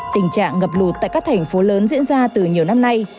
tình trạng ngập lụt tại các thành phố lớn diễn ra từ nhiều năm nay